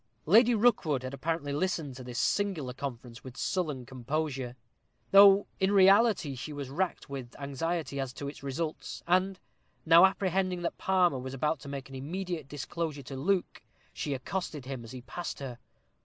Lady Rookwood had apparently listened to this singular conference with sullen composure, though in reality she was racked with anxiety as to its results; and, now apprehending that Palmer was about to make an immediate disclosure to Luke, she accosted him as he passed her.